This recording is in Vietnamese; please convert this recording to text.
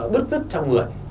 bứt dứt trong người